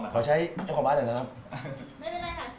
ไม่เป็นไรค่ะถือว่าเป็นบ้านตัวเองแล้วกัน